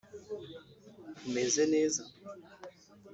umeze neza